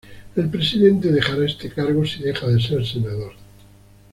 El presidente dejará este cargo si deja de ser Senador.